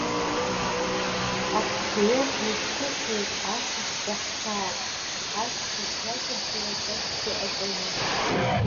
Аԥсшьаҩы ҳизхәыцуеит, асас даҳхьаауп, ас хыбжа-ҿыбжала акыр ҳзыҟаҵома?